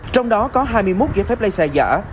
trong đó có hai mươi một giấy phép lấy xe giả